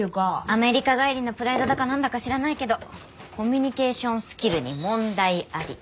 アメリカ帰りのプライドだかなんだか知らないけどコミュニケーションスキルに問題あり。